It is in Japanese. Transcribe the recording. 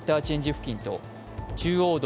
付近と中央道